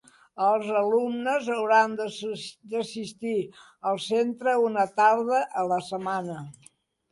Els alumnes hauran d'assistir al Centre una tarda a la setmana.